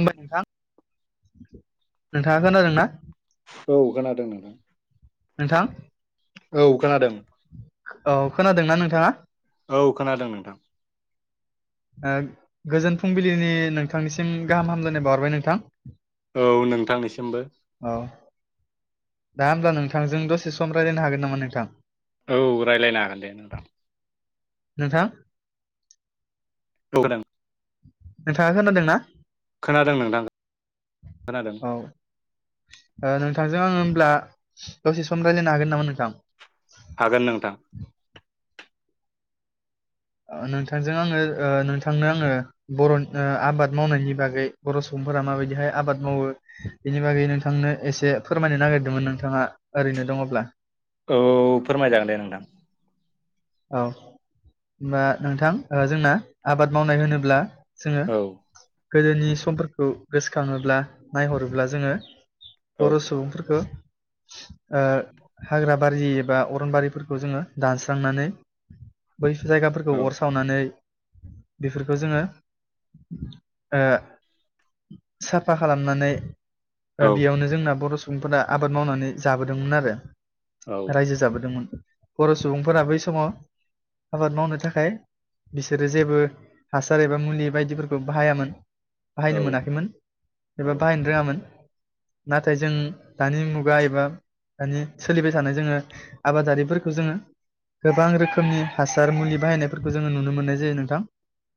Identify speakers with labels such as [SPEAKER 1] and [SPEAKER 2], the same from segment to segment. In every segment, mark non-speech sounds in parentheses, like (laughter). [SPEAKER 1] (unintelligible) बाय नोंथां नोंथाङा खोनादों ना
[SPEAKER 2] औ खोनादों नोंथां
[SPEAKER 1] नोंथां
[SPEAKER 2] औ खोनादों
[SPEAKER 1] औ खोनादोंना नोंथाङा
[SPEAKER 2] औ खोनादों नोंथां
[SPEAKER 1] गोजोन फुंबिलिनि नोंथांनिसिम गाहाम हामलायनाय बावरबाय नोंथां
[SPEAKER 2] औ नोंथांनिसिमबो
[SPEAKER 1] औ दा होमब्ला नोंथांजों दसे सम रायज्लायनो हागोन नामा नोंथां
[SPEAKER 2] औ रायज्लायनो हागोन दे नोंथां
[SPEAKER 1] नोंथां
[SPEAKER 2] (inaudible)
[SPEAKER 1] नोंथाङा खोनादोंना?
[SPEAKER 2] खोनादों नोंथां खोनादों
[SPEAKER 1] औ ओ नोंथांजों आङो होनब्ला दसे सम रायलायनो हागोन नामा नोंथां?
[SPEAKER 2] हागोन नोंथां।
[SPEAKER 1] नोंथांजों आङो ओ नोंथांनो आङो बर' ओ आबाद मावनायनि बागै बर' सुबुंफोरा माबायदिहाय आबाद मावो बेनि बागै नोंथांनो एसे फोरमायनो नागिरदोंमोन नोंथाङा ओरैनो दङब्ला।
[SPEAKER 2] औ औ फोरमायजागोन दे नोंथां।
[SPEAKER 1] औ होनबा ओ नोंथां जोंना आबाद मावनाय होनोब्ला जोङो
[SPEAKER 2] औ
[SPEAKER 1] गोदोनि समफोरखौ गोसोखाङोब्ला नायहरोब्ला जोङो
[SPEAKER 2] औ
[SPEAKER 1] बर' सुबुंफोरखौ ओ हाग्रा बारि एबा अरनबारिफोरखौ जोङो दानस्रांनानै बै जायगाफोरखौ
[SPEAKER 2] औ
[SPEAKER 1] अर सावनानै बेफोरखौ जोङो ओ साफा खालामनानै ओ
[SPEAKER 2] औ
[SPEAKER 1] बेयावनो जोंना बर' सुबुंफोरा आबाद मावनानै जाबोदोंमोन आरो।
[SPEAKER 2] औ
[SPEAKER 1] रायजो जाबोदोंमोन। बर' सुबुंफोरा बै समाव आबाद मावनो थाखाय बिसोरो जेबो हासार एबा मुलि बायदिफोरखौ बाहायामोन। बाहायनो
[SPEAKER 2] औ
[SPEAKER 1] मोनाखैमोन एबा बाहायनो रोङामोन। नाथाय जों दानि मुगा एबा दानि सोलिबाय थानाय जोङो आबादारिफोरखौ जोङो गोबां रोखो खोमनि हासार मुलि बाहायनायफोरखौ जोङो नुनो मोननाय जायो नोंथां।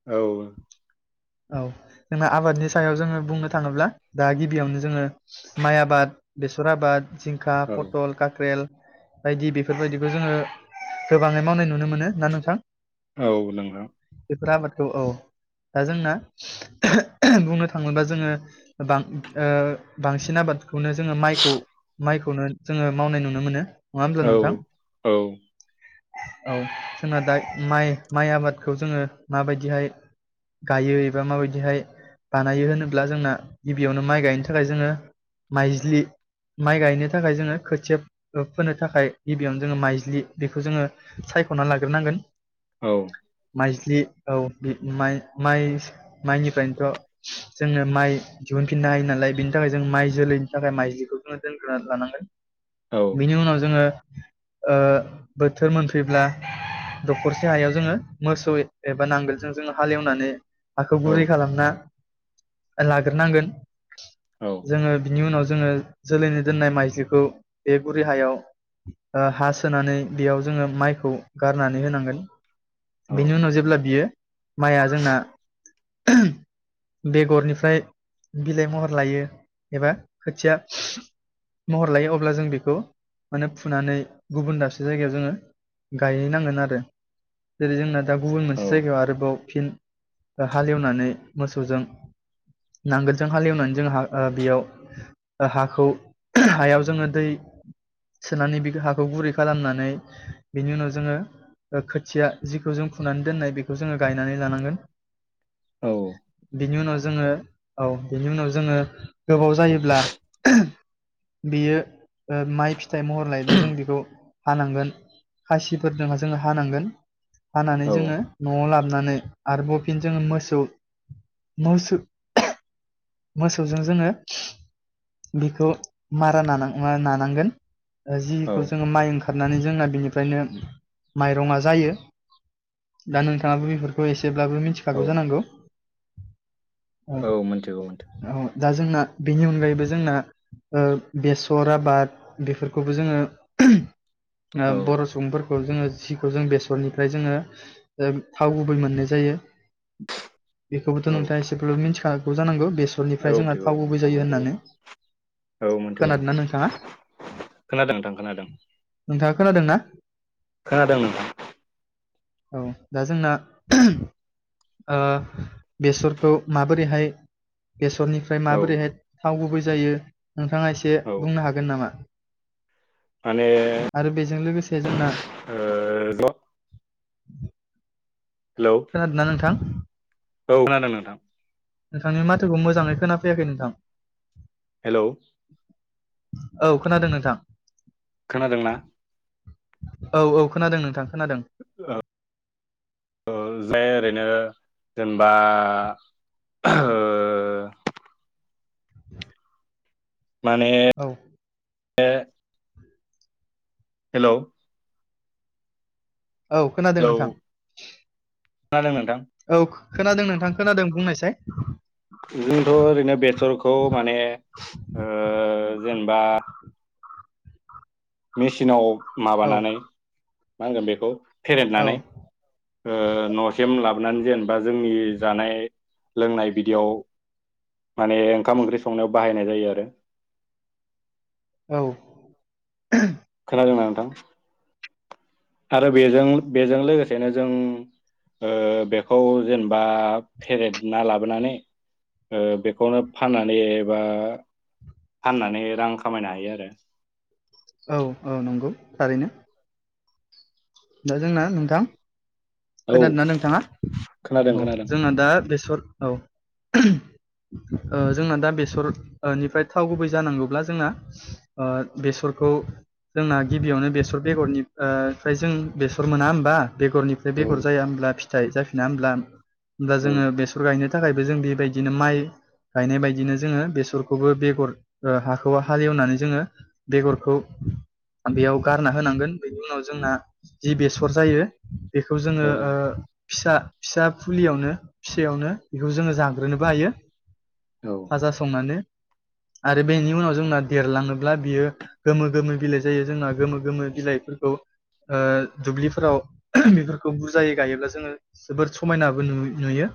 [SPEAKER 2] औ।
[SPEAKER 1] औ जोंना आबादनि सायाव जोङो बुंनो थाङोब्ला दा गिबियावनो जोङो माइ आबाद, बेसर आबाद, जिंखा,
[SPEAKER 2] औ
[SPEAKER 1] पटल, काक्रेल, बायदि बेफोरबायदिखौ जोङो गोबाङै मावनाय नुनो मोनो ना नोंथां।
[SPEAKER 2] औ नोंगौ।
[SPEAKER 1] बेफोर आबादखौ औ दा जोंना बुंनो थाङोबोब्ला जोङो बां ओ बांसिन आबादखौनो जोङो माइखौ माइखौनो जोङो मावनाय नुनो मोनो। होमब्ला
[SPEAKER 2] औ
[SPEAKER 1] नोंथां
[SPEAKER 2] औ।
[SPEAKER 1] औ जोंना दा माइ माइ आबादखौ जोङो माबायदिहाय गायो एबा माबायदिहाय बानायो होनोब्ला जोंना गिबियावनो माइ गायनो थाखाय जोङो माइज्लि माइ गायनो थाखाय जोङो खोथिया फोनो थाखाय गिबियावनो जोङो माइज्लि बेखो जोङो सायख'ना लागोरनांगोन।
[SPEAKER 2] औ।
[SPEAKER 1] माइज्लि औ माइ माइ माइनिफ्रायनोथ' जोङो माइ दिहुनफिननो हायो नालाय बिनि थाखाय जों माइ जोलैनि थाखाय माइज्लिखौ जोङो दोनग्रोनानै लानांगोन।
[SPEAKER 2] औ
[SPEAKER 1] बेनि उनाव जोङो ओ बो थोर मोनफैब्ला दखरसे हायाव जोङो मोसौ एबा नांगोलजों जोङो हालेवनानै हाखौ
[SPEAKER 2] औ
[SPEAKER 1] गुरै खालामना लाग्रोनांगोन
[SPEAKER 2] औ
[SPEAKER 1] जोङो बिनि उनाव जोङो जोलैनि दोननाय माइजखौ बे गुरि हायाव हा सोनानै बेयाव जोङो माइखौ गारनानै होनांगोन बेनि उनाव जेब्ला बियो माइआ जोंना बेगरनिफ्राय बिलाइ महर लायो एबा खोथिया महर लायो अब्ला जों बेखौ माने फुनानै गुबुन दाबसे जायगायाव जोङो गायहैनांगोन आरो जेरै जोंना दा गुबुन मोनसे जायगायाव आरोबाव। फिन हालेवनानै मोसौजों नांगोलजों हालेवनानै जों बेयाव हाखौ हायाव जोङो दै सोनानै हाखौ गुरै खालामनानै बेनि उनाव जोङो खोथिया जिखौ जों फुनानै दोननाय बेखौ जोङो गायनानै लानांगोन। बिनि उनाव। जोङो औ बेनि उनाव जोङो गोबाव जायोब्ला बेयो माइ फिथाइ महर लायोब्ला जों बेखौ हानांगोन खासिफोरजों जोङो हानांगोन। हानानै जोङो न'आव लाबोनानै आरोबाव फिन जोङो मोसौ मोसौजों जोङो बेखौ मारा नानांगोन।
[SPEAKER 2] औ
[SPEAKER 1] जिखौ जोङो माइ ओंखार ओंरनानै जोंना बिनिफ्रायनो माइरं जायो दा नोंथाङाबो बेफोरखौ एसे जेब्लाबो मिथिखागौ
[SPEAKER 2] औ
[SPEAKER 1] जानांगौ औ
[SPEAKER 2] मिथिगौ मिथिगौ
[SPEAKER 1] औ दा जोंना बेनि अनगायैबो जोंना बेसर आबाद बेफोरखौबो जोङो।
[SPEAKER 2] औ
[SPEAKER 1] बर' सुबुंफोरखौ जोङो। जिखौ जों बेसरनिफ्राय जोङो थाव गुबै मोननाय जायो। बेखौबोथ'
[SPEAKER 2] औ
[SPEAKER 1] नोंथाङा एसेब्लााबबो मिथिखागौ जानांगौ बेसरनिफ्राय जोंहा
[SPEAKER 2] मिथिगौ
[SPEAKER 1] थाव गुबै
[SPEAKER 2] नोंथां
[SPEAKER 1] जायो
[SPEAKER 2] मिथिगौ
[SPEAKER 1] होननानै
[SPEAKER 2] औ मिथिगौ
[SPEAKER 1] खोनादोंना
[SPEAKER 2] नोंथां
[SPEAKER 1] नोंथाङा।
[SPEAKER 2] खोनादों नोंथां खोनादों
[SPEAKER 1] नोंथाङा खोनादोंना।
[SPEAKER 2] खोनादों नोंथां
[SPEAKER 1] औ दा जोंना बेसरखौ माबोरैहाय बेसरनिफ्राय
[SPEAKER 2] औ
[SPEAKER 1] माबोरैहाय थाव गुबै जायो। नोंथाङा एसे
[SPEAKER 2] औ
[SPEAKER 1] बुंनो हागोन नामा।
[SPEAKER 2] माने।
[SPEAKER 1] आरो बेजों लोगोसे जोंना।
[SPEAKER 2] ओं।
[SPEAKER 1] (inaudible) खोनादोंना नोंथां।
[SPEAKER 2] औ खोनादों नोंथां।
[SPEAKER 1] नोंथांनि माथोखौ मोजाङै खोनाफैयाखै नोंथां।
[SPEAKER 2] हेलौ
[SPEAKER 1] औ खोनादों नोंथां।
[SPEAKER 2] खोनादोंना?
[SPEAKER 1] औ औ खोनादों नोंथां। खोनादों
[SPEAKER 2] ओ ओ जाय ओरैनो जेनेबा ओ
[SPEAKER 1] (inaudible)
[SPEAKER 2] माने
[SPEAKER 1] औ
[SPEAKER 2] ए हेलौ!
[SPEAKER 1] औ खोनादों
[SPEAKER 2] हेलौ
[SPEAKER 1] नोंथां।
[SPEAKER 2] खोनादों नोंथां
[SPEAKER 1] औ खो खोनादों नोंथां खोनादों बुंनायसाय।
[SPEAKER 2] जोंथ' ओरैनो बेसरखौ माने ओ जेनबा मेचिनाव
[SPEAKER 1] औ
[SPEAKER 2] माबानानै मा होनगोन बेखौ
[SPEAKER 1] औ
[SPEAKER 2] फेरदनानै ओ न'सिम लाब नान जेन बा जोंनि जानाय लोंनाय बिदियाव माने ओंखाम ओंख्रि संनायाव बाहायनाय जायो आरो।
[SPEAKER 1] औ।
[SPEAKER 2] खोनादोंना नोंथां? आरो बेजों बेजों लोगोसेनो जों ओ बेखौ जेनेबा फेरेद ना लाबोनानै ओ बेखौनो फाननानैबा फाननानै रां खामायनो हायो आरो।
[SPEAKER 1] औ औ नंगौ थारैनो। दा जोंना नोंथां
[SPEAKER 2] औ
[SPEAKER 1] खोनादोंना नोंथाङा?
[SPEAKER 2] खोनादों
[SPEAKER 1] औ
[SPEAKER 2] खोनादों
[SPEAKER 1] जोंना दा बेसर औ ओ जोंना दा बेसर निफ्राय थाव गुबै जानांगौब्ला जोंना ओ बेसरखौ जोंना गिबियावनो बेसर बेगर आ निफाय जों बेसर मोना होमबा? बेगरनिफ्राय
[SPEAKER 2] औ
[SPEAKER 1] बेगर जाया होमब्ला फिथ थाय जाफिना होमब्ला? दा
[SPEAKER 2] औ
[SPEAKER 1] जोङो बेसर गायनो थाखायबो जों बेबायदिनो माइ गायनाय बायदिनो जोङो बेसरखौबो बेगर ओ हाखौआव हालेवनानै जोङो बेगरखौ बेयाव गारना होनांगोन बेनि उनाव जोंना जि बेसर जायो बेखौ जोङो
[SPEAKER 2] औ
[SPEAKER 1] ओ फिसा फिसा फुलियावनो फिसायावनो बेखौ जोङो जाग्रोनोबो हायो
[SPEAKER 2] औ
[SPEAKER 1] भाजा संनानै। आरो बेनि उनाव जोंना देरलाङोब्ला बियो गोमो गोमो बिलाइ जायो जोंना गोमो गोमो बिलाइफोरखौ ओ दुब्लिफोराव बेफोरखौ बुरजायै गायोब्ला जोङो जोबोर समायनाबो नु-नुयो।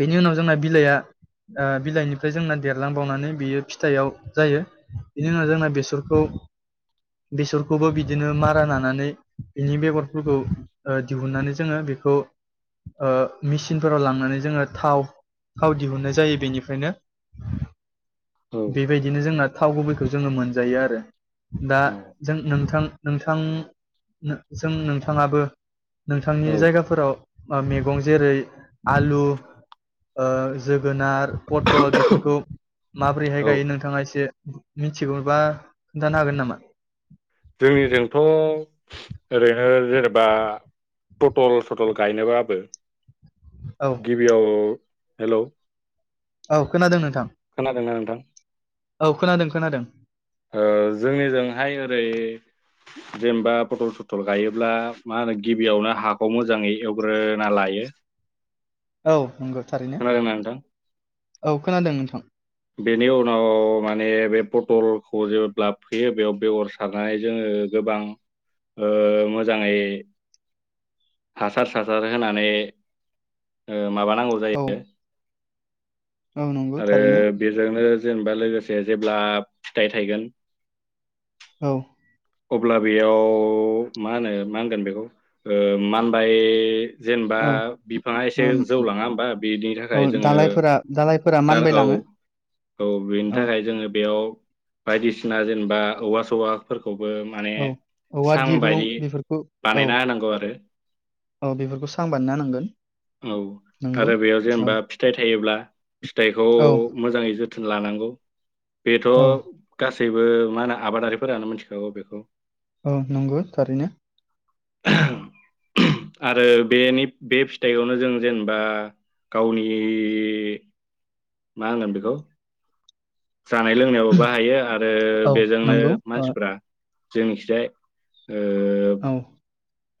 [SPEAKER 1] बेनि उनाव जोंना बिलाइया ओ बिलाइनिफ्राय जोंना देरलांबावनानै बियो फिथाइयाव जायो बिनि उनाव जोंना बेसरखौ बेसरखौबो बि बिदिनो मारा नानानै बेनि बेगरफोरखौ ओ दिहुनन्नानै जोङो बेखौ ओ मेसिनफोराव लांनानै जोङो थाव थाव दिहुननाय जायो बेनिफ्रायनो।
[SPEAKER 2] औ
[SPEAKER 1] बेबायदिनो जोंना‌ थाव गुबैखौ जोङो मोनजायो आरो। दा
[SPEAKER 2] औ
[SPEAKER 1] जों नोंथां नोंथां जों नोंथाङाबो नोंथांनि
[SPEAKER 2] औ
[SPEAKER 1] जायगाफोराव मैगं जेरै आलु ओ जोगोनार पटल बेफोरखौ माबोरैहाय
[SPEAKER 2] औ
[SPEAKER 1] गायो नोंथाङा एसे मिथिगौबा खोनन्थानो हागोन नामा?
[SPEAKER 2] जोंनिजोंथ' ओरैनो जेनेबा पटल सटल गायनोबाबो
[SPEAKER 1] औ
[SPEAKER 2] गिबियाव हेल'
[SPEAKER 1] औ खोनादों नोंथां। औ खोनादों खोनादों।
[SPEAKER 2] ओ जोंनिजोंहाय ओरै जेनेबा पथल सथल गायोब्ला मा होनो गिबियावनो हाखौ मोजाङै एवग्रोना लायो।
[SPEAKER 1] औ नंगौ। थारैनो
[SPEAKER 2] खोनादोंना नोंथां
[SPEAKER 1] औ खोनादों नोंथां।
[SPEAKER 2] बेनि उनाव माने बे पटलखौ जेब्ला फैयो बेयाव बेगर सारनानै जोङो गोबां ओ मोजाङै हासार सासार होनानै ओ माबा नांगौ
[SPEAKER 1] औ
[SPEAKER 2] जायो
[SPEAKER 1] औ नंगौ
[SPEAKER 2] आरो
[SPEAKER 1] थारैनो
[SPEAKER 2] बेजोंनो जेनेबा लोगोसे जेब्ला फिथाइ थायगोन
[SPEAKER 1] औ
[SPEAKER 2] अब्ला बेयाव मा होनो मा होनगोन बेखौ ओ मानबाय जेनेबा
[SPEAKER 1] औ
[SPEAKER 2] बिफाङा एसे
[SPEAKER 1] ओम
[SPEAKER 2] जौलाङा होमबा बेनि
[SPEAKER 1] औ
[SPEAKER 2] थाखाय जोङो
[SPEAKER 1] दालायफोरा दालायफोरा
[SPEAKER 2] दार औ
[SPEAKER 1] मानबायलाङो
[SPEAKER 2] औ बेनि
[SPEAKER 1] औ
[SPEAKER 2] थाखाय जोङो बेयाव बायदिसिना जेनेबा औवा सौवाफोरखौ खौबो माने
[SPEAKER 1] औ औवा
[SPEAKER 2] सां
[SPEAKER 1] दिरुं
[SPEAKER 2] बायदि
[SPEAKER 1] बेफोरखौ औ
[SPEAKER 2] बानायना होनांगौ आरो
[SPEAKER 1] औ बेफोरखौ सां बानायना होनांगोन
[SPEAKER 2] औ
[SPEAKER 1] नंगौ
[SPEAKER 2] आरो बेयाव
[SPEAKER 1] औ
[SPEAKER 2] जेनेबा फिथाइ थायोब्ला फिथाइखौ
[SPEAKER 1] औ
[SPEAKER 2] मोजाङै जो जोथोन लानांगौ। बेथ' गा
[SPEAKER 1] औ
[SPEAKER 2] गासैबो मा होनो आबादारिफोरानो मोनथि औ बेखौ
[SPEAKER 1] औ नंगौ थारैनो
[SPEAKER 2] आरो बेनि बे फिथाइयावनो जों जेनेबा गावनि मा होनगोन बेखौ जानाय लोंनायावबो बाहायो आरो
[SPEAKER 1] औ
[SPEAKER 2] बेजोंनो
[SPEAKER 1] नंगौ ओ
[SPEAKER 2] मानसिफ्रा जोंनिखिजाय ओ
[SPEAKER 1] औ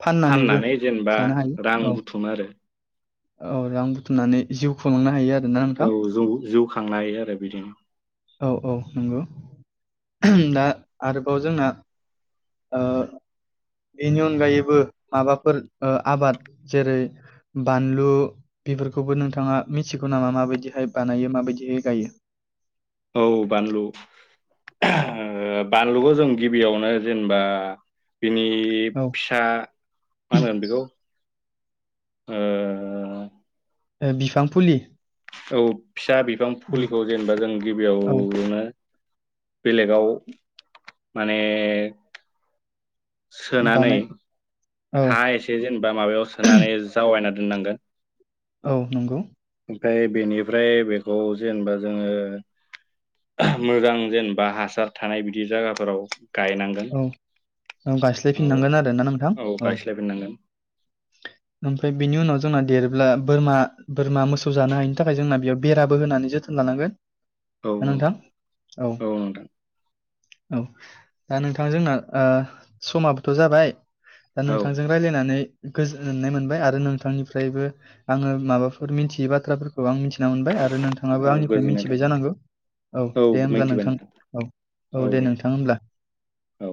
[SPEAKER 1] फाननानैबो
[SPEAKER 2] फाननानै जेनेबा
[SPEAKER 1] जानो हायो
[SPEAKER 2] रां
[SPEAKER 1] औ
[SPEAKER 2] बुथुमो आरो।
[SPEAKER 1] औ रां बुथुमनानै जिउ खुंलांनो हायो आरो।
[SPEAKER 2] औ जं जौ थांनाय आरो बिदिनो
[SPEAKER 1] औ औ नंगौ दा आरोबाव जोंना बेनि अनगायैबो माबाफोर आबाद जेरै बानलु बेफोरखौबो नोंथाङा मिथिगौ नामा माबायदिहाय बानायो माबायदिहाय गायो?
[SPEAKER 2] औ बानलु बानलुखौ जों गिबियावनो जेनेबा बिनि
[SPEAKER 1] औ
[SPEAKER 2] फिसा मा होनगोन बेखौ ओ
[SPEAKER 1] ए बिफां फुलि।
[SPEAKER 2] औ। फिसा बिफां
[SPEAKER 1] औ
[SPEAKER 2] फुलिखौ जेनेबा जों
[SPEAKER 1] औ
[SPEAKER 2] गिबियावनो बेलेगाव माने सोनानै
[SPEAKER 1] बानाय औ
[SPEAKER 2] हा एसे जेनेबा माबायाव सोनानै जावायना नांगोन
[SPEAKER 1] औ नंगौ।
[SPEAKER 2] ओमफ्राय बेनिफ्राय बेखौ जेनेबा जोङो मोजां जेनेबा हासार थानाय बिदि जायगाफोराव गायनांगोन
[SPEAKER 1] औ औ
[SPEAKER 2] औ
[SPEAKER 1] गायस्लायफिननांगोन आरोना नोंथां औ ओमफ्राय बेनि उनाव जोंना देरोब्ला बोरमा बोरमा मोसौ जानो हायिनि थाखाय जोंना बेयाव बेराबो होनानै जोथोन लानांगोन।
[SPEAKER 2] औ
[SPEAKER 1] ना नोंथां
[SPEAKER 2] औ औ नोंथां।
[SPEAKER 1] औ। दा नोंथां जोंना समाबोथ' जाबाय। दा
[SPEAKER 2] औ
[SPEAKER 1] नोंथांजों रायलायनानै गोजोननाय मोनबाय आरो नोंथांनिफ्रायबो आङो माबाफोर मिथियै बाथ्राफोरखौ आं मिथि थिना मोनबाय आरो नोंथाङाबो
[SPEAKER 2] औ
[SPEAKER 1] आंनिफ्राय
[SPEAKER 2] गोजोननाय
[SPEAKER 1] मिथिबाय
[SPEAKER 2] थाबाय
[SPEAKER 1] जानांगौ औ दे हब्ला नोंथां औ औ दे नोंथां होमब्ला।
[SPEAKER 2] औ।